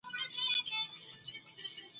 آب وهوا د افغانستان د طبیعت برخه ده.